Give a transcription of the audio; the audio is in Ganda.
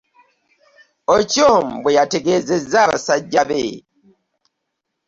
Ochom bwe yategeezezza basajja be